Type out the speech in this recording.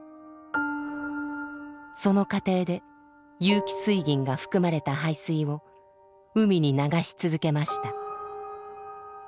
その過程で有機水銀が含まれた排水を海に流し続けました。